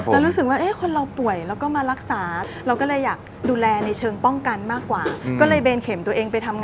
เหมือนที่ปอยบอกว่าปอยมาอยู่กรุงเทพฯแล้วปอยก็อยากมีร้านละหนึ่ง